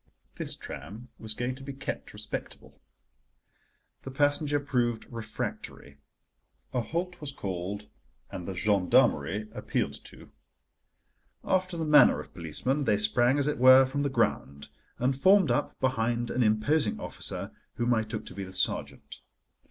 This tram was going to be kept respectable. The passenger proved refractory, a halt was called, and the gendarmerie appealed to. After the manner of policemen, they sprang, as it were, from the ground, and formed up behind an imposing officer, whom I took to be the sergeant.